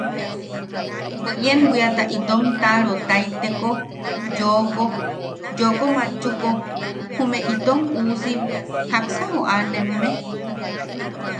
Bwe ien bwiata itom taʼarutaiteko yooko, yooko matchuko “¿ume itom uusim jaksa joʼanemme?”